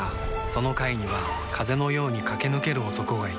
その階には風のように駆け抜ける男がいた